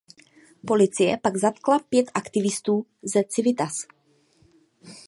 Policie pak zatkla pět aktivistů ze Civitas.